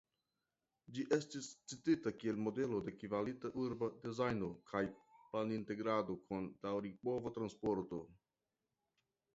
Ĝi estis citita kiel modelo de kvalita urba dezajno kaj planintegrado kun daŭripova transporto.